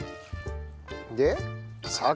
で酒。